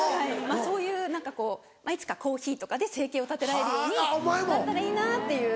そういう何かこういつかコーヒーとかで生計を立てられるようになったらいいなっていう。